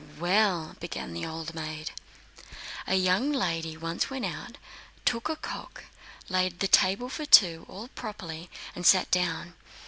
"Well," began the old maid, "a young lady once went out, took a cock, laid the table for two, all properly, and sat down.